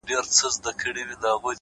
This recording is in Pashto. پرمختګ د کوچنیو اصلاحاتو ټولګه ده!